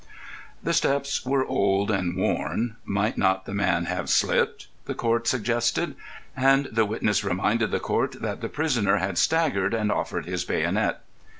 The steps were old and worn; might not the man have slipped? the Court suggested, and the witness reminded the Court that the prisoner had staggered and offered his bayonet.